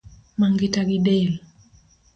Ma ngita gidel